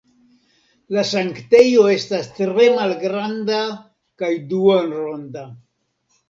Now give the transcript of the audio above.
La sanktejo estas tre malgranda kaj duonronda.